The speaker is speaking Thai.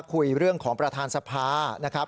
คุยเรื่องของประธานสภานะครับ